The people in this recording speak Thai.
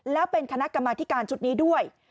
แล้วเป็นคณะกรรมธิการชุดนี้ด้วย